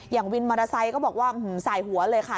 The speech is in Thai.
วินมอเตอร์ไซค์ก็บอกว่าสายหัวเลยค่ะ